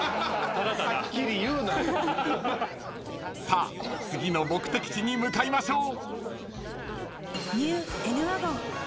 ［さあ次の目的地に向かいましょう］